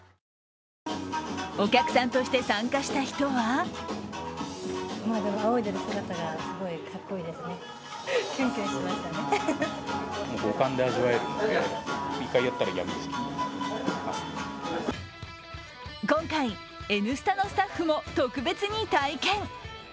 お客さんとして参加した人は今回、「Ｎスタ」のスタッフも特別に体験。